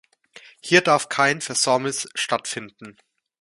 Hier darf kein Versäumnis stattfinden.